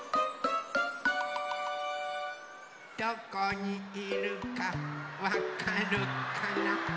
・どこにいるかわかるかな？